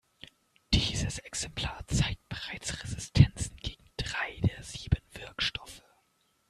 Dieses Exemplar zeigt bereits Resistenzen gegen drei der sieben Wirkstoffe.